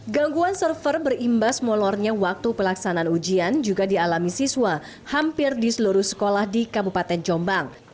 gangguan server berimbas molornya waktu pelaksanaan ujian juga dialami siswa hampir di seluruh sekolah di kabupaten jombang